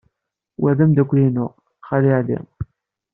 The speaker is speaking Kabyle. Wa d ameddakel-inu, Xali Ɛli.